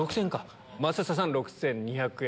松下さん６２００円。